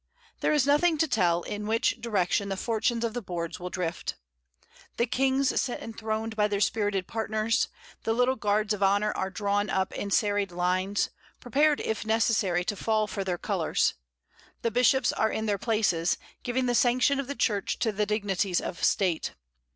There is nothing to tell in which direction the fortunes of the board will drift. The kings sit enthroned by their spirited partners; the little guards of honour are drawn up in serried lines, prepared, if necessary, to fall for their colours; the bishops are in their places, giving the sanction of the Church to the dignities of State.